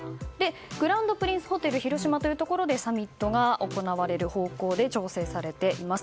グランドプリンスホテル広島というところでサミットが行われる方向で調整されています。